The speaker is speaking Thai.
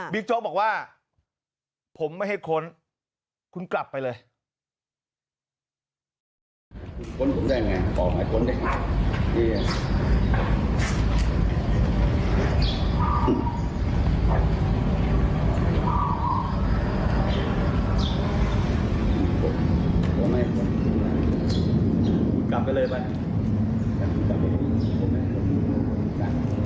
โจ๊กบอกว่าผมไม่ให้ค้นคุณกลับไปเลย